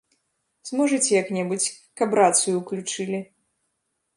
Зможаце як-небудзь, каб рацыю ўключылі?